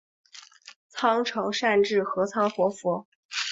仓成善智合仓活佛。